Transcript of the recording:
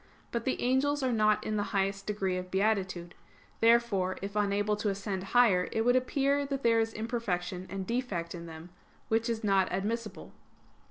But the angels are not in the highest degree of beatitude. Therefore if unable to ascend higher, it would appear that there is imperfection and defect in them; which is not admissible.